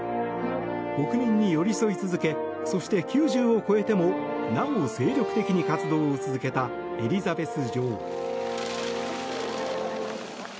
国民に寄り添い続けそして、９０を超えてもなお精力的に活動を続けたエリザベス女王。